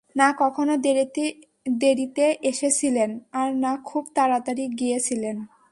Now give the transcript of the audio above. না কখনো দেরিতে এসেছিলেন, আর না খুব তাড়াতাড়ি গিয়েছিলেন।